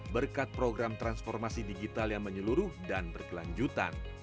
berkat program transformasi digital yang menyeluruh dan berkelanjutan